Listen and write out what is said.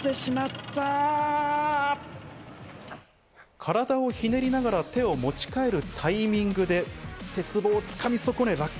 体をひねりながら手を持ちかえるタイミングで鉄棒を掴み損ね落下。